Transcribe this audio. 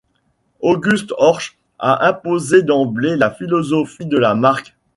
August Horch a imposé d'emblée la philosophie de la marque.